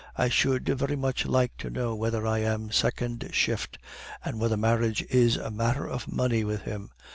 I should very much like to know whether I am a second shift, and whether marriage is a matter of money with him.